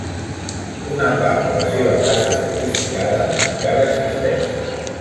Una part de la seva casa fortificada encara existeix.